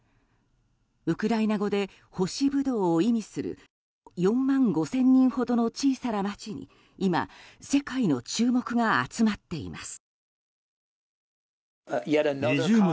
ウクライナ語で干しブドウを意味する４万５０００人ほどの小さな街に今、世界の注目が集まっています。